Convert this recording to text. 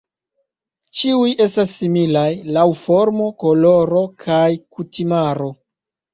Ĉiuj estas similaj laŭ formo, koloro kaj kutimaro.